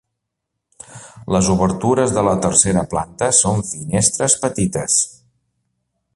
Les obertures de la tercera planta són finestres petites.